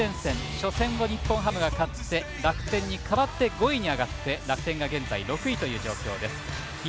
初戦後、日本ハムが勝って楽天に変わって、５位に上がって楽天が現時６位という順位です。